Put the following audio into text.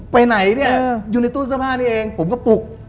ไปไหนเนี่ยอยู่ในตู้เสื้อผ้านี้เองผมก็ปลุก